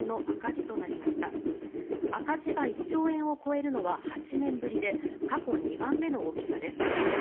赤字が１兆円を超えるのは８年ぶりで過去２番目の大きさです。